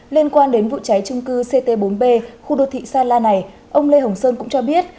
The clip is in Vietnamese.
liên quan đến vụ cháy trung cư ct bốn b khu đô thị sa la này ông lê hồng sơn cũng cho biết